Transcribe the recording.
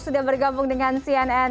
sudah bergabung dengan cnn